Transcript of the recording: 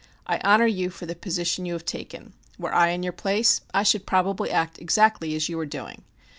I honor you for the position you have taken. Were I in your place I should probably act exactly as you are doing.